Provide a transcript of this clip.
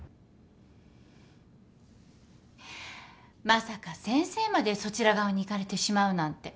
・まさか先生までそちら側に行かれてしまうなんて。